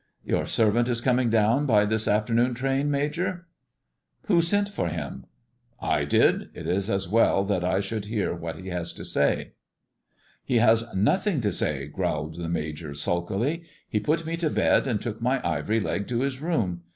" Tour servant is coming down by this trfternoon'a train, Major." 356 THE IVORY LEO AND THE DIAMONDS "Who sent for him r* " I did ! It is as well that I should hear what he has to say." "He has nothing to say/' growled the Major sulkily; " he put me to bed and took my ivory leg to his room.